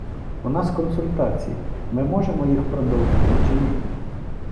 У нас консультації, ми можемо їх продовжити чи ні?